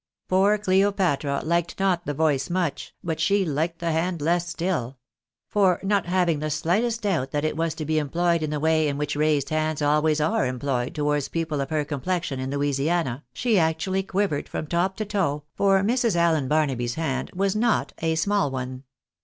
Poor Cleopatra liked not the voice much, but she liked the hand less still ; for not having the slightest doubt but that it was to be employed in the way in which raised hands always are employed towards people of her complexion in Louisiana, she actually quivered from top to toe, for Mrs. Allen Barnaby's hand was not a small one.